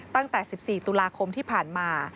ตั้งแต่๑๔ตุลาคมที่ผ่านมา